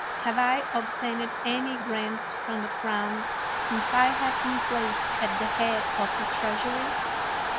Have I obtained any grants from the crown since I have been placed at the head of the treasury?